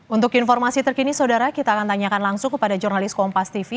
untuk informasi terkini saudara kita akan tanyakan langsung kepada jurnalis kompas tv